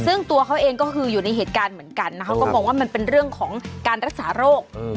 ซึ่งตัวเขาเองก็คืออยู่ในเหตุการณ์เหมือนกันนะเขาก็มองว่ามันเป็นเรื่องของการรักษาโรค